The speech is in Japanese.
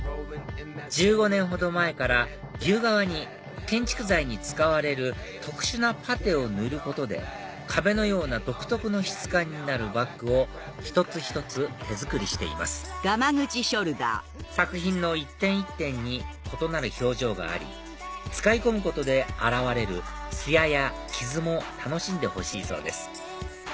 １５年ほど前から牛革に建築材に使われる特殊なパテを塗ることで壁のような独特の質感になるバッグを一つ一つ手作りしています作品の一点一点に異なる表情があり使い込むことで現れるツヤや傷も楽しんでほしいそうです